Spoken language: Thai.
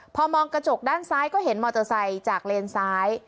พอมองกระจกด้านซ้ายก็เห็นมอเตอร์ไซค์จากเลนซ้าย